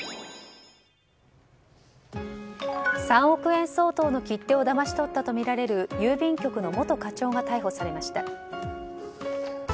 ３億円相当の切手をだまし取ったとみられる郵便局の元課長が逮捕されました。